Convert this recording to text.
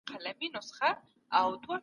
آيا ليکوالان د ټولني په درد پوهيږي؟